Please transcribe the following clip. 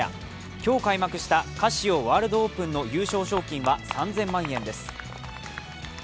今日開幕したカシオワールドオープンの優勝賞金は３０００万円です。